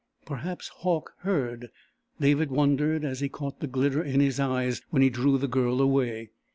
Perhaps Hauck heard. David wondered as he caught the glitter in his eyes when he drew the Girl away.